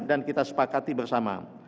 dan kita sepakati bersama